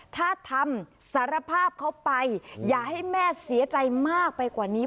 ถ้าทำสารภาพเขาไปอย่าให้แม่เสียใจมากไปกว่านี้